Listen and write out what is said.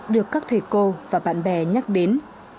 được các thầy cô và bạn bè nhắc đến